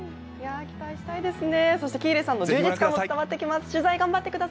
期待したいですね。